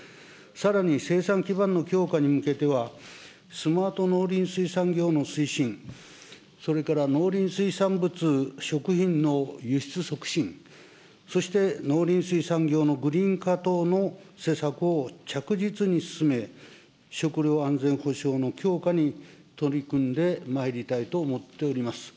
さらに生産基盤の強化に向けては、スマート農林水産業の推進、それから農林水産物食品の輸出促進、そして農林水産業のグリーン化等の政策を着実に進め、食料安全保障の強化に取り組んでまいりたいと思っております。